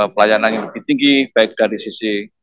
pelayanan yang lebih tinggi baik dari sisi